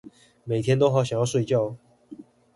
每天都好想要睡覺